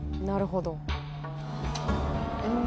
なるほど。